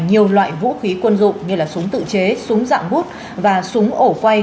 nhiều loại vũ khí quân dụng như súng tự chế súng dạng gút và súng ổ quay